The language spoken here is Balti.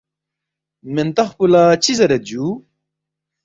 ”مِنتخ پو لہ چِہ زیرید جُو؟“